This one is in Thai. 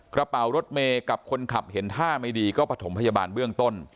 กระเป๋ารถเมย์กับคนขับเห็นท่าไม่ดีก็ประถมพยาบาลเบื้องต้น